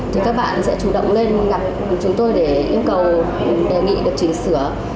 thì các bạn sẽ chủ động lên gặp chúng tôi để yêu cầu đề nghị được chỉnh sửa